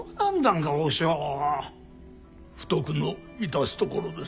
不徳の致すところです。